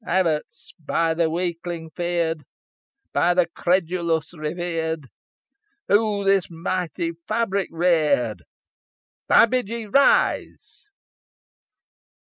"Abbots! by the weakling fear'd, By the credulous revered, Who this mighty fabric rear'd! I bid ye rise!